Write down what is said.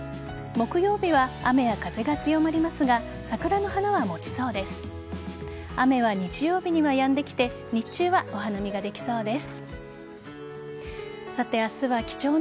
木曜日は雨や風が強まりますが桜の花は持ちそうです。